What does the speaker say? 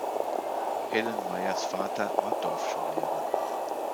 Helen Meiers Vater war Dorfschullehrer.